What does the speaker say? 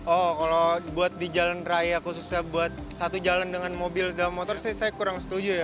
oh kalau buat di jalan raya khususnya buat satu jalan dengan mobil dan motor saya kurang setuju ya